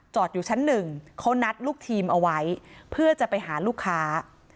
อยู่ชั้นหนึ่งเขานัดลูกทีมเอาไว้เพื่อจะไปหาลูกค้า